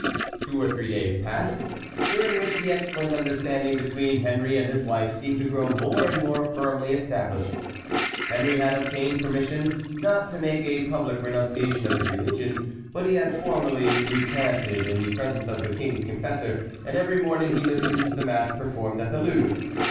Two or three days passed, during which the excellent understanding between Henry and his wife seemed to grow more and more firmly established. Henry had obtained permission not to make a public renunciation of his religion; but he had formally recanted in the presence of the king's confessor, and every morning he listened to the mass performed at the Louvre.